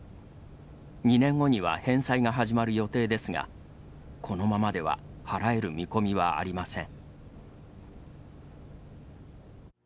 ２年後には返済が始まる予定ですがこのままでは払える見込みはありません。